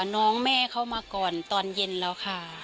น้องแม่เข้ามาก่อนตอนเย็นแล้วค่ะ